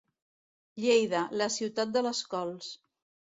Lleida, la ciutat de les cols.